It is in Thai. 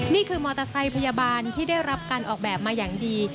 นี่คือมอเตอร์ไซค์พยาบาลที่ได้รับการออกแบบมาอย่างดี